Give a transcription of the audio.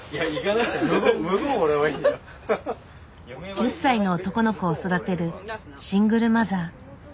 １０歳の男の子を育てるシングルマザー。